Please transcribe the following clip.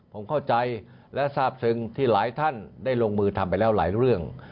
ผมเข้าใจและทราบซึ้งที่หลายท่านได้ลงมือทำไปแล้วหลายเรื่อง